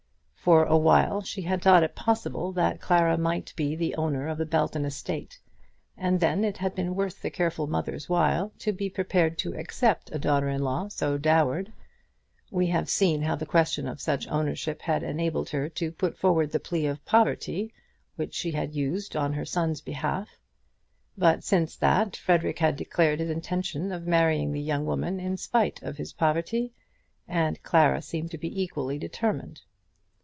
For awhile she had thought it possible that Clara might be the owner of the Belton estate, and then it had been worth the careful mother's while to be prepared to accept a daughter in law so dowered. We have seen how the question of such ownership had enabled her to put forward the plea of poverty which she had used on her son's behalf. But since that Frederic had declared his intention of marrying the young woman in spite of his poverty, and Clara seemed to be equally determined.